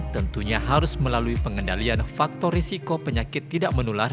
tentunya harus melalui pengendalian faktor risiko penyakit tidak menular